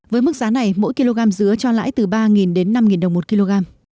với mức giá này mỗi kg dứa cho lãi từ ba đến năm đồng một kg